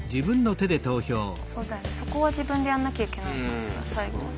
そこは自分でやんなきゃいけないのかしら最後は。